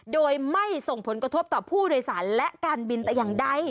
โดยไม่ส่งผลกระทบต่อผู้โดยสารและการบินแต่อย่างใด